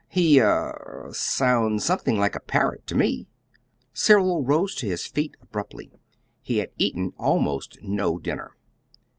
He er sounds something like a parrot to me." Cyril rose to his feet abruptly. He had eaten almost no dinner.